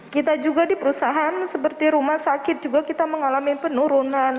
kita juga di perusahaan seperti rumah sakit juga kita mengalami penurunan